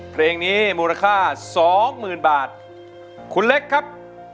เพลงนี้มูลค่าสองหมื่นบาทคุณเล็กครับ